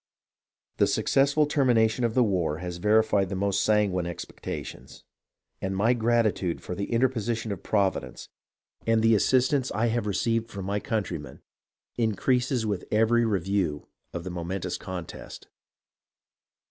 The successful termination of the war has verified the most sanguine expectations ; and my gratitude for the interposi tion of Providence, and the assistance I have received 406 HISTORY OF THE AMERICAN REVOLUTION from my countrymen, increases with every review of the momentous contest.